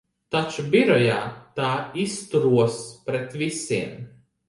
Taču birojā tā izturos pret visiem.